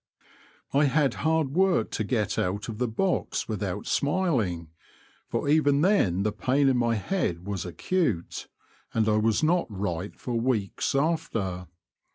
I had hard work to get out of the box without smiling, for even then the .pain in my head was acute, and I was not right for weeks after.